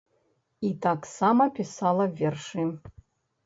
І таксама пісала вершы.